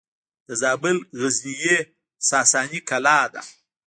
د زابل غزنیې ساساني کلا ده